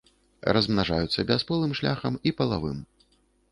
Размнажаюцца бясполым шляхам і палавым.